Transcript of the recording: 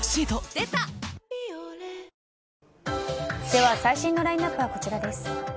では最新のラインアップはこちらです。